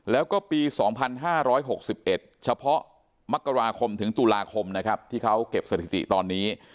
แล้วก็ปี๒๕๖๑เฉพาะมกราคมถึงตุลาคมนะครับที่เขาเก็บสถิติตอนนี้